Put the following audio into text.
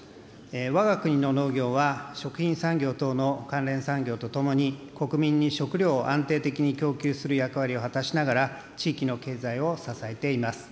わが国の農業は、食品産業等の関連産業とともに、国民に食料を安定的に供給する役割を果たしながら、地域の経済を支えています。